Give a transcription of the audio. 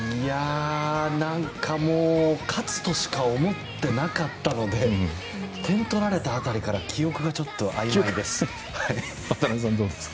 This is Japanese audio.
何かもう勝つとしか思ってなかったので点取られた辺りから記憶がちょっとあいまいです。